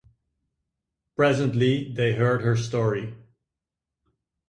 Presently they heard her story.